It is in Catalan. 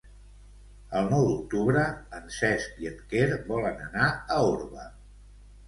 El nou d'octubre en Cesc i en Quer volen anar a Orba.